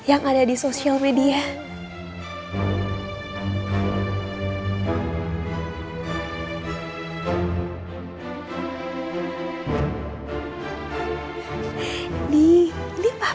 aku dan siva sama siapa